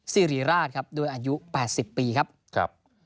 สิริราชครับด้วยอายุ๘๐ปีครับ